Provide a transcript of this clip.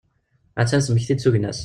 A-tt-an tettmekti-d tugna-as.